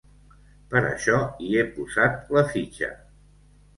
Per això hi he posat la fitxa.